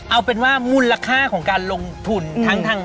เอาเป็นว่ามูลค่าของการลงทุนทั้งทาง